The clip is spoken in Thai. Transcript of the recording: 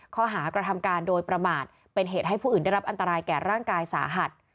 ข้อหากระทำการโดยประมาทเป็นเหตุให้ผู้อื่นได้รับอันตรายแก่ร่างกายสาหัส